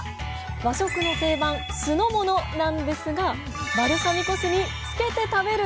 和食の定番酢の物なんですがバルサミコ酢に「つけて食べる」